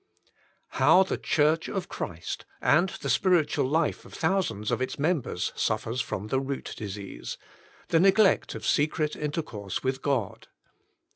How the Church of Christ, and the spiritual life of thousands of its members, suffers from the root disease ; the neglect of secret intercourse with God.